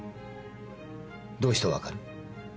どうして分かる？